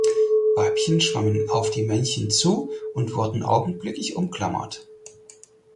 Weibchen schwammen auf die Männchen zu und wurden augenblicklich umklammert.